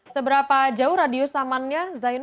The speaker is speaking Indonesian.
seberapa jauh radius amannya zainul